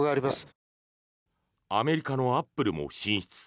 アメリカのアップルも進出。